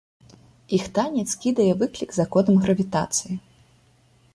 Іх танец кідае выклік законам гравітацыі.